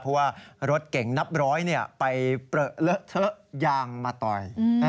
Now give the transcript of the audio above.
เพราะว่ารถเก่งนับร้อยไปเปลือเลอะเทอะยางมาต่อย